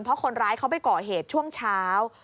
เพราะคนร้ายเขาไปก่อเหตุช่วงเช้า